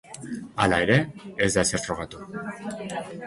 Hala ere, ez da ezer frogatu.